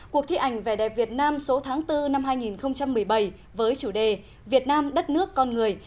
cuộc thi ảnh vẻ đẹp việt nam số tháng bốn năm hai nghìn một mươi bảy với chủ đề việt nam đất nước con người